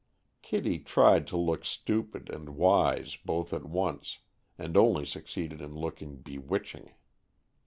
Kitty tried to look stupid and wise, both at once, and only succeeded in looking bewitching.